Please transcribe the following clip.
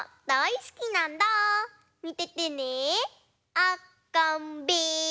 あっかんべ！